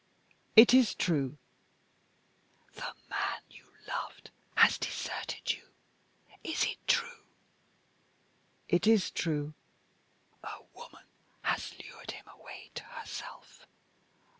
"It is true." "The man you loved has deserted you. Is it true?" "It is true." "A woman has lured him away to herself.